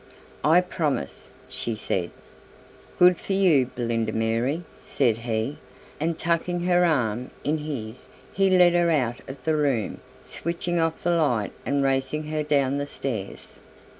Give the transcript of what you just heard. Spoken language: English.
"I promise," she said. "Good for you, Belinda Mary," said he, and tucking her arm in his he led her out of the room switching off the light and racing her down the stairs.